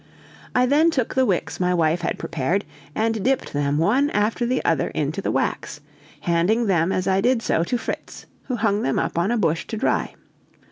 I then took the wicks my wife had prepared, and dipped them one after the other into the wax, handing them as I did so to Fritz, who hung them up on a bush to dry.